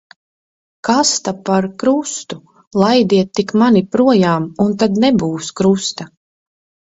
Kas ta par krustu. Laidiet tik mani projām, un tad nebūs krusta.